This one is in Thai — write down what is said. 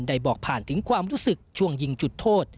ได้บอกผ่านถึงความรู้สึกช่วงยิงจุดโทษ